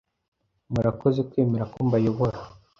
Murakoze kwemera ko mbayobora